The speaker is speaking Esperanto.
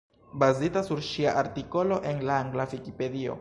Bazita sur ŝia artikolo en la angla Vikipedio.